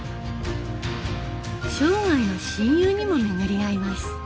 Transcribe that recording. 生涯の親友にも巡り合います。